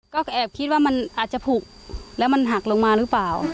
ก็แอบคิดว่ามันอาจจะผูกแล้วมันหักลงมาหรือเปล่า